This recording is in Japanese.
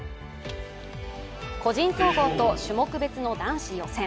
個人総合と種目別の男子予選。